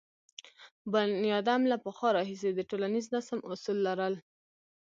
بنیادم له پخوا راهیسې د ټولنیز نظم اصول لرل.